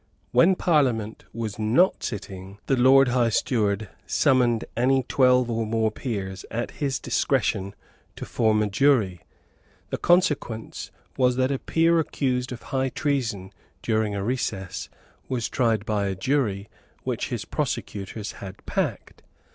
When Parliament was not sitting, the Lord High Steward summoned any twelve or more peers at his discretion to form a jury. The consequence was that a peer accused of high treason during a recess was tried by a jury which his prosecutors had packed.